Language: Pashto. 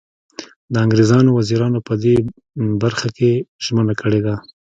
د انګریزانو وزیرانو په دې برخه کې ژمنه کړې ده.